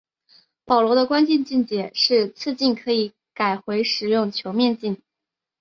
保罗的关键见解是次镜可以改回使用球面镜。